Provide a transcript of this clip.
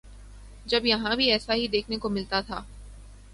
جب یہاں بھی ایسا ہی دیکھنے کو ملتا تھا۔